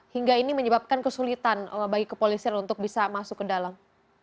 hingga ini menyebabkan kesulitan bagi kepolisian untuk bisa masuk ke dalam